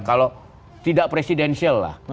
kalau tidak presidensial lah